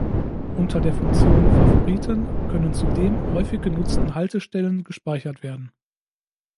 Unter der Funktion "Favoriten" können zudem häufig genutzten Haltestellen gespeichert werden.